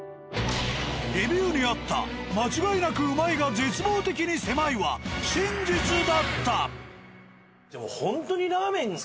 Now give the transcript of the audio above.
レビューにあった「間違いなくうまいが絶望的に狭い」は真実だった。